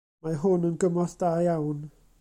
Mae hwn yn gymorth da iawn.